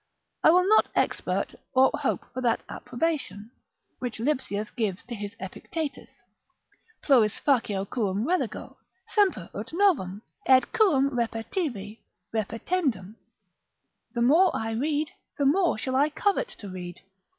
I will not expert or hope for that approbation, which Lipsius gives to his Epictetus; pluris facio quum relego; semper ut novum, et quum repetivi, repetendum, the more I read, the more shall I covet to read.